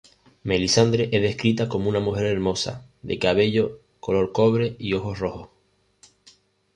Melisandre es descrita como una mujer hermosa, de cabello color cobre y ojos rojos.